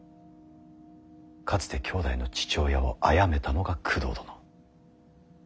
かつて兄弟の父親をあやめたのが工藤殿。